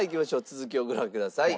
続きをご覧ください。